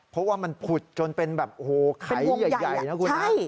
เพราะว่ามันผุดจนเป็นแบบโหไขเย่นะครับคุณฮะ